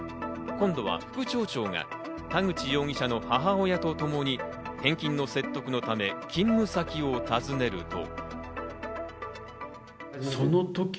１４日、今度は副町長が田口容疑者の母親とともに、返金の説得のため勤務先を訪ねると。